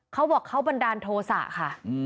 เขาบอกเขาบันดาลโทษะค่ะ